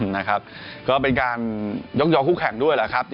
นะครับก็เป็นการยกยองคู่แข่งด้วยแหละครับ